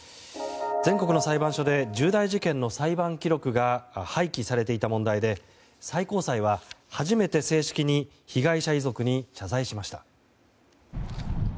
全国の裁判所で重大事件の裁判記録が廃棄されていた問題で最高裁は初めて正式に被害者遺族に謝罪しました。